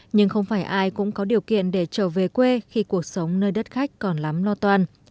nhưng không phải ai cũng có điều kiện để trở về quê khi cuộc sống nơi đất khách còn lắm lo toan